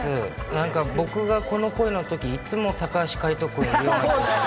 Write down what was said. なんか僕がこの声のとき、いつも高橋海人君、いるような気がする。